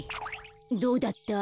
どうだった？